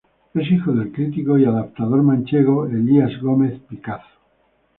Es hijo del crítico y adaptador manchego Elías Gómez Picazo.